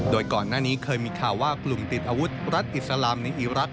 โดยก่อนหน้านี้เคยมีข่าวว่ากลุ่มติดอาวุธรัฐอิสลามในอีรักษ